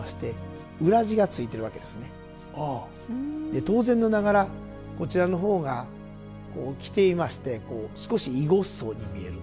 で当然ながらこちらの方が着ていましてこう少しいごっそうに見える。